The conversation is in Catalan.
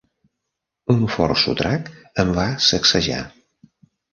Un fort sotrac em va sacsejar.